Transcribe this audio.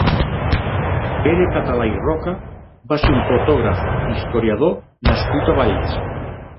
Pere Català i Roca va ser un fotògraf, historiador nascut a Valls.